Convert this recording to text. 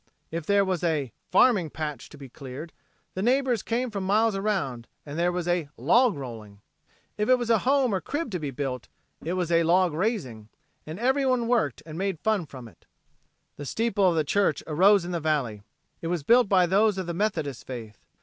If there was "a farming patch" to be cleared, the neighbors came from miles around and there was a "log rolling." If it was a home or a crib to be built, it was a "log raising," and everyone worked and made fun from it. The steeple of a church arose in the valley. It was built by those of the Methodist faith.